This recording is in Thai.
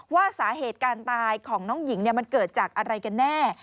ว่าสาเหตุการตายของน้องหญิงมันเกิดจากอะไรกันแน่